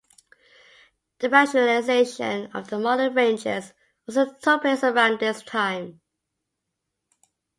A rationalisation of the model ranges also took place around this time.